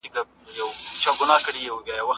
ميرويس مېنه د چا په نوم یاده سوې ده؟